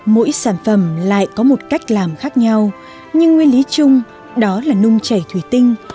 mỗi sản phẩm lại có một cách làm khác nhau nhưng nguyên lý chung đó là nung chảy thủy tinh